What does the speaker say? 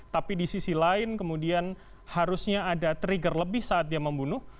tapi di sisi lain kemudian harusnya ada trigger lebih saat dia membunuh